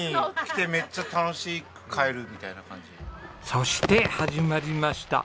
そして始まりました！